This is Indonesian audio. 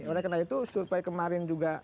oleh karena itu survei kemarin juga